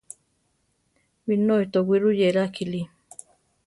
Binói towí ruyéra kili.